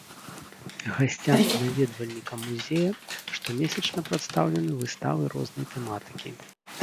Гасцям і наведвальнікам музея штомесячна прадстаўлены выставы рознай тэматыкі.